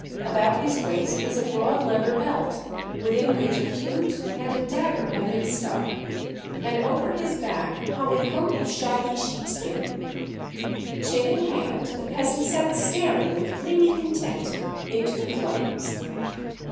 About his waist was a broad leather belt within which a flute and a dagger had been stuck, and over his back hung a coat of shaggy sheep skin. Chin in hand the peasant sat staring with dreamy content into the flames.